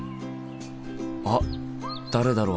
あっ誰だろう？